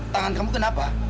tangan kamu kenapa